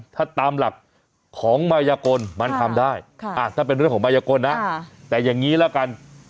ถ้าตามหลักของมายกลมันทำได้ถ้าเป็นเรื่องของมายกลนะแต่อย่างนี้ละกัน